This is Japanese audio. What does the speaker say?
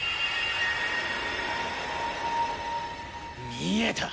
見えた！